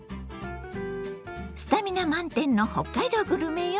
スタミナ満点の北海道グルメよ。